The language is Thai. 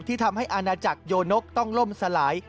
ที่ทำให้อาณาจักรโยนกต้องล่มสลาย